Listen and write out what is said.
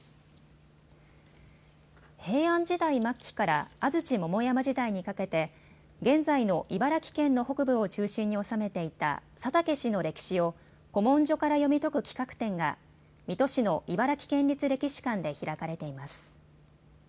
平安時代末期から安土桃山時代にかけて現在の茨城県の北部を中心に治めていた佐竹氏の歴史を古文書から読み解く企画展が水戸市の茨城県立歴史館で開かれています。